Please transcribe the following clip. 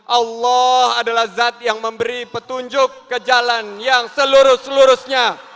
allah adalah zat yang memberi petunjuk ke jalan yang seluruh seluruhnya